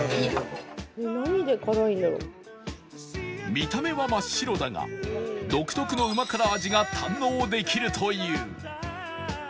見た目は真っ白だが独特のうま辛味が堪能できるという